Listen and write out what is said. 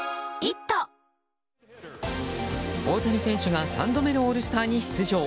大谷選手が３度目のオールスターに出場。